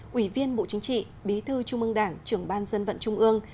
ủy viên bộ chính trị bí thư trung ương đảng trưởng ban dân vận trung ương